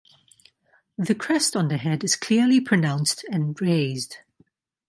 The crest on the head is clearly pronounced and raised.